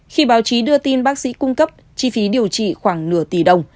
khi báo chí đưa tin bác sĩ cung cấp chi phí điều trị khoảng nửa tỷ đồng